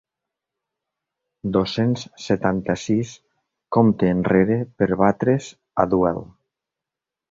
Dos-cents setanta-sis compte enrere per batre's a duel.